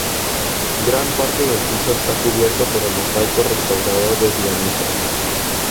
Gran parte del piso está cubierto por el mosaico restaurado de Dioniso.